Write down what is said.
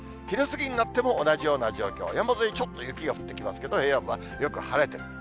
昼過ぎになっても同じような状況、山沿い、ちょっと雪が降ってきますけど、平野部はよく晴れて。